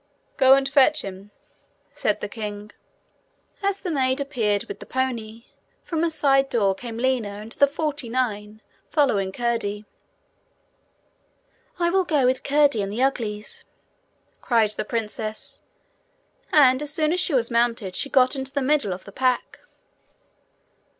'Go and fetch him,' said the king. As the maid appeared with the pony, from a side door came Lina and the forty nine, following Curdie. 'I will go with Curdie and the Uglies,' cried the princess; and as soon as she was mounted she got into the middle of the pack.